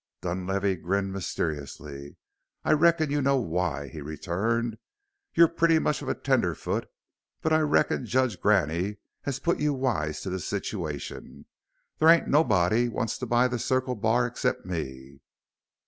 Dunlavey grinned mysteriously. "I reckon you know why," he returned; "you're pretty much of a tenderfoot, but I reckon Judge Graney has put you wise to the situation. There ain't nobody wants to buy the Circle Bar except me."